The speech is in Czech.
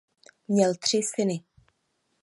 Měl tři syny.